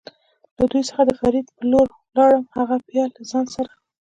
له دوی څخه د فرید په لور ولاړم، هغه بیا له ځان سره.